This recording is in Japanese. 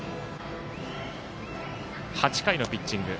８回のピッチング。